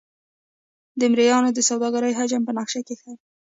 د مریانو د سوداګرۍ حجم په نقشه کې ښيي.